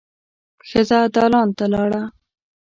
ښځه دالان ته لاړه.